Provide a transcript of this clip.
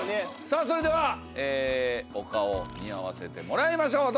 さあそれではお顔見合わせてもらいましょう。